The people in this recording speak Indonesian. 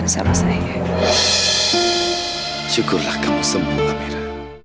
syukurlah kamu semua amira